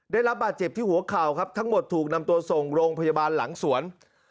ได้รับบาดเจ็บที่หัวเข่าครับทั้งหมดถูกนำตัวส่งโรงพยาบาลหลังสวน